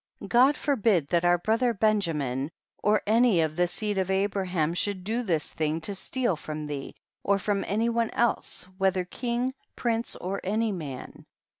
God forbid that our brother Benjamin or any of the seed of Abra THE BOOK OF JASHER. 171 ham should do this thhig to steal from thee, or from any one else, wiiether king, prince, or any man.